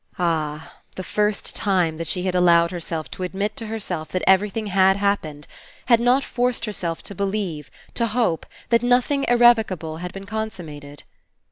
Ah ! The first time that she had allowed herself to admit to herself that everything had happened, had not forced herself to believe, to hope, that nothing irrevocable had been con summated